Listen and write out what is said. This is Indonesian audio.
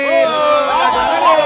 rara duluan yang mufon